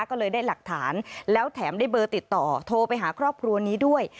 ก็เลยได้หลักฐานแล้วแถมได้เบอร์ติดต่อโทรไปหาครอบครัวนี้ด้วย